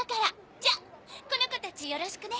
じゃこの子たちよろしくね。